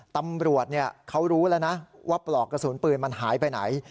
ตำรวจเขารู้แล้วนะว่าปลอกกระสุนปืนมันหายไปไหน